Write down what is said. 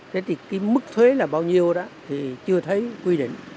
thế thì cái mức thuế là bao nhiêu đó thì chưa thấy quy định